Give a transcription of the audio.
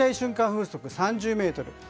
風速３０メートル。